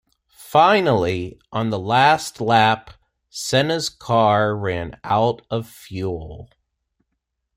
Finally, on the last lap, Senna's car ran out of fuel.